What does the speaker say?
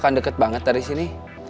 kamu akan deket banget dari sini